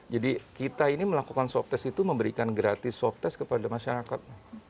jadi kita ini melakukan swab test itu memberikan gratis swab test kepada masyarakat